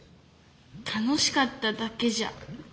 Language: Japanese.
「楽しかった」だけじゃダメ？